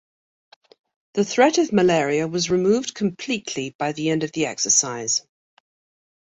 The threat of malaria was removed completely by the end of the exercise.